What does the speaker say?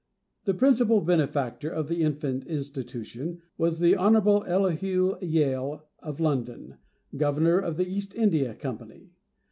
The principal benefactor of the infant institution was the Hon. Elihu Yale, of London, Governor of the East India Company.